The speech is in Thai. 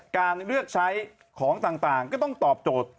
การเลือกใช้ของต่างก็ต้องตอบโจทย์